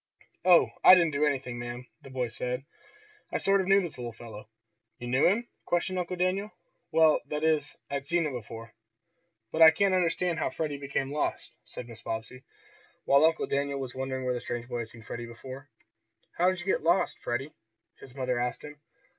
"Oh, I didn't do anything, ma'am," the boy said. "I sort of knew this little fellow." "You knew him?" questioned Uncle Daniel. "Well, that is I'd seen him before." "But I can't understand how Freddie became lost," said Mrs. Bobbsey, while Uncle Daniel was wondering where the strange boy had seen Freddie before. "How did you get lost, Freddie?" his mother asked him.